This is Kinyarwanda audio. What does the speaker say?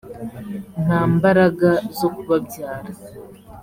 nta mbaraga zo kubabyara